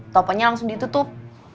telfonnya langsung ditutup